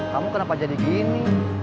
kamu kenapa jadi gini